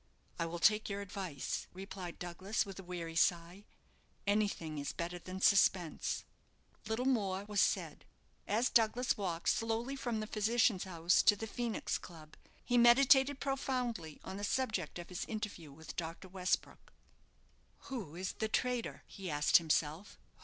"I will take your advice," replied Douglas, with a weary sigh; "anything is better than suspense." Little more was said. As Douglas walked slowly from the physician's house to the Phoenix Club, he meditated profoundly on the subject of his interview with Dr. Westbrook. "Who is the traitor?" he asked himself.